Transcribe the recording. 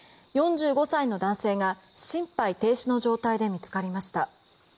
４５歳の男性が心肺停止の状態で見つかりました。